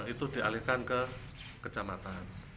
itu dialihkan ke kecamatan